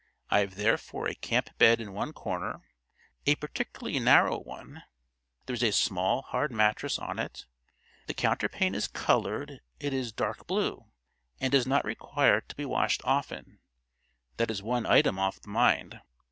I have therefore a camp bed in one corner, a particularly narrow one. There is a small, hard mattress on it; The counterpane is colored; it is dark blue, and does not require to be washed often—that is one item off the mind.